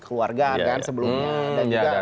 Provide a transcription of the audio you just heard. keluarga kan sebelumnya dan juga